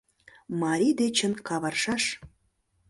Марий дечын, каваршаш.